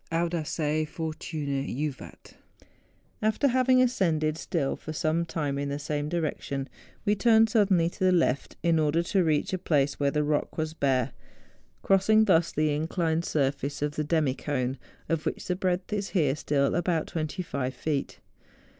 Audaces fortuna juvaL After having ascended still for some time in the same direction, we turned suddenly to the left, in order to reach a place where the rock was bare, crossing thus the inclined surface of the demi cone, of which the breadth is here still about 25 feet.